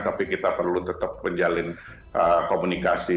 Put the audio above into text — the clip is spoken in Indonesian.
tapi kita perlu tetap menjalin komunikasi